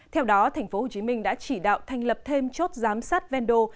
theo đó thành phố hồ chí minh đã chỉ đạo thành lập thêm chốt giám sát vendo